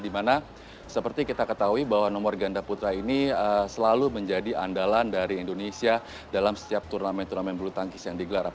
dimana seperti kita ketahui bahwa nomor ganda putra ini selalu menjadi andalan dari indonesia dalam setiap turnamen turnamen bulu tangkis yang digelar